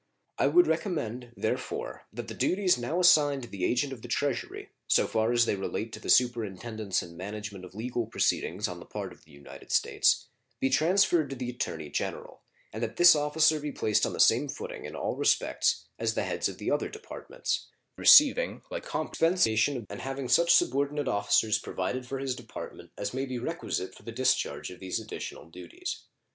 I would recommend, therefore, that the duties now assigned to the agent of the Treasury, so far as they relate to the superintendence and management of legal proceedings on the part of the United States, be transferred to the Attorney General, and that this officer be placed on the same footing in all respects as the heads of the other Departments, receiving like compensation and having such subordinate officers provided for his Department as may be requisite for the discharge of these additional duties.